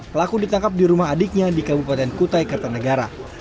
pelaku ditangkap di rumah adiknya di kabupaten kutai kartanegara